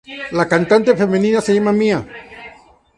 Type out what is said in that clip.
La cantante femenina se llama Mie.